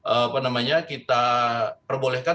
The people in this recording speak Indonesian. apa namanya kita perbolehkan